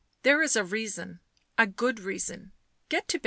" There is a reason. A good reason. Get to bed."